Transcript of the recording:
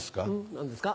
何ですか？